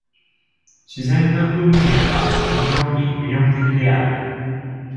自然の風景が非常に魅力的である。